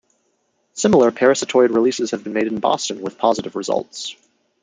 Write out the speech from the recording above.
Similar parasitoid releases have been made in Boston with positive results.